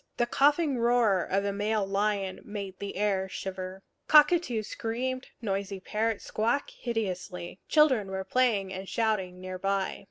The coughing roar of a male lion made the air shiver. Cockatoos screamed; noisy parrots squawked hideously. Children were playing and shouting near by.